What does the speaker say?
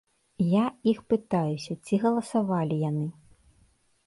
Я іх пытаюся, ці галасавалі яны?